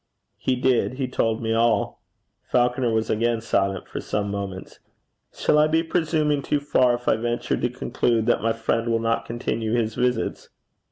'He did. He told me all.' Falconer was again silent for some moments. 'Shall I be presuming too far if I venture to conclude that my friend will not continue his visits?'